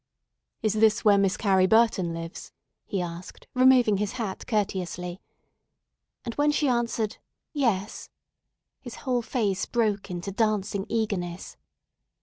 "Is this where Mrs. Carrie Burton lives?" he asked, removing his hat courteously. And, when she answered, "Yes," his whole face broke into dancing eagerness.